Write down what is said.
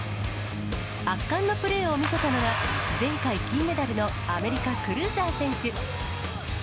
圧巻のプレーを見せたのが、前回金メダルのアメリカ、クルーザー選手。